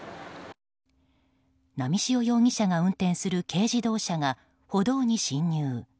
波汐容疑者が運転する軽自動車が歩道に進入。